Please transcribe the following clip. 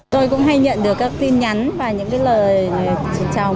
tôi cũng hay nhận được các tin nhắn và những lời chào